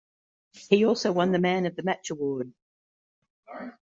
He also won the man of the match award.